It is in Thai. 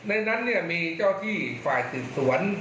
ในนั้นมีเจ้าที่ฝ่ายสืบสวน